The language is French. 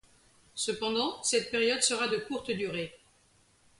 Cependant, cette période sera de courte durée.